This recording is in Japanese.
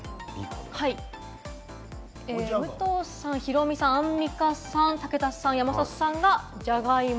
武藤さん、ヒロミさん、アンミカさん、武田さん、山里さんがジャガイモ。